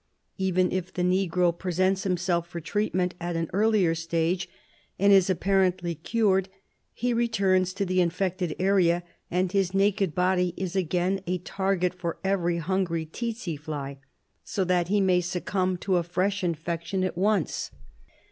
Even if the negro presents himself for treat ment at an earlier stage, and is apparently cured, he returns to the infected area, and his naked body is again a target for every hungry tsetse fly, so that he may succumb to a fresh infection at once.